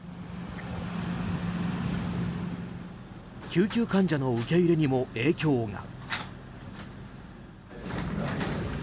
救急患者の受け入れにも影響が。